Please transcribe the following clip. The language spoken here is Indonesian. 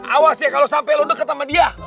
awas ya kalo sampe lo deket sama dia